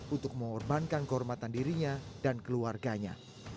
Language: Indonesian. untuk mengorbankan kehormatan dirinya dan keluarganya